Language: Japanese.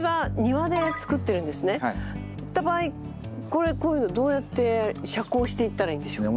これこういうのどうやって遮光していったらいいんでしょう？